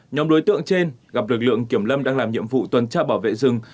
nhóm đối tượng trên gặp lực lượng kiểm lâm đang làm nhiệm vụ tuần tra bảo vệ rừng